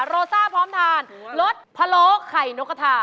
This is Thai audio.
โรซ่าพร้อมทานรสพะโล้ไข่นกกระทา